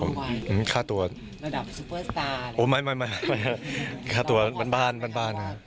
อ๋อมีค่าตัวค่าตัวบ้านบ้าน